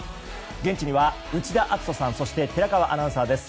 現地には内田篤人さんそして寺川アナウンサーです。